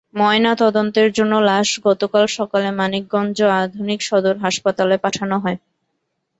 ময়নাতদন্তের জন্য লাশ গতকাল সকালে মানিকগঞ্জ আধুনিক সদর হাসপাতালে পাঠানো হয়।